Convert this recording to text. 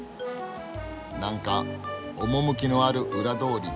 なんか趣のある裏通り。